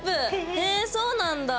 へぇそうなんだ！